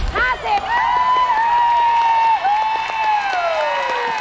เปล่า๕๕๐มิลลิลิตร